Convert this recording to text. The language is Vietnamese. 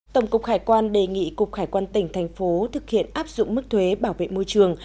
tổng cục hải quan đề nghị cục hải quan tỉnh thành phố thực hiện áp dụng mức thuế bảo vệ môi trường